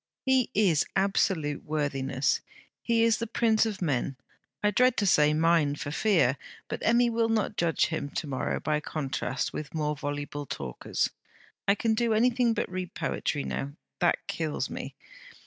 'He is absolute worthiness. He is the prince of men: I dread to say, mine! for fear. But Emmy will not judge him to morrow by contrast with more voluble talkers. I can do anything but read poetry now. That kills me!